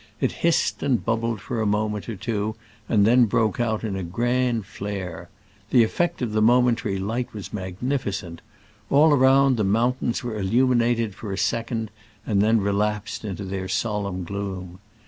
It hissed and bubbled for a moment or two, and, then broke out into a grand flare. The effect of the momentary light was magnificent: all around the mountains were illuminated for a sec ond, and then relapsed into their solemn gloom.